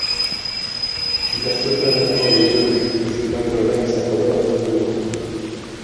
Ikasturte honetako libururik estimatuena izango dela uste dugu.